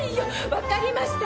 わかりました。